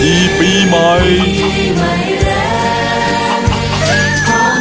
หลับปีตัวสวัสดีปีใหม่